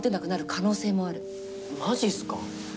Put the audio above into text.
マジっすか？